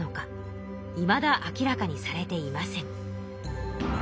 いまだ明らかにされていません。